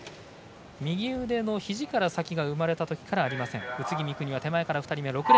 右腕のひじから先が生まれたときからありません。